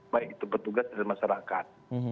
baik itu petugas dan masyarakat